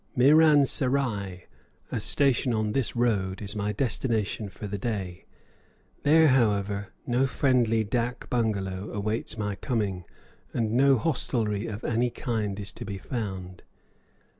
Miran Serai, a station on this road, is my destination for the day; there, however, no friendly dak bungalow awaits my coming and no hostelry of any kind is to be found.